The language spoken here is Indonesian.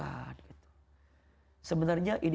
sebenarnya ini berangkat dari bagaimana kita mengatakan